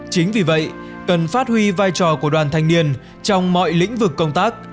chính vì vậy cần phát huy vai trò của đoàn thanh niên trong mọi lĩnh vực công tác